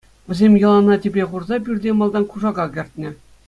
Вӗсем йӑлана тӗпе хурса пӳрте малтан кушака кӗртнӗ.